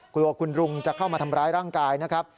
กลัวคุณลุงจะเข้ามาทำร้ายร่างกายนะครับ